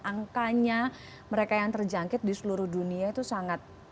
angkanya mereka yang terjangkit di seluruh dunia itu sangat